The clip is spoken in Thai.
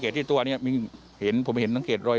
ก็ไหวต้นยิงปุ้งปุ้งก็แทงเรื่อย